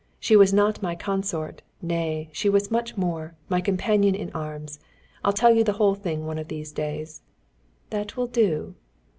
She was not my consort nay! she was much more, my companion in arms. I'll tell you the whole thing one of these days." "That will do...."